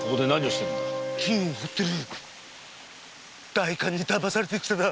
代官にだまされて来ただ。